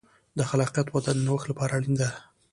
د خلاقیت وده د نوښت لپاره اړینه ده.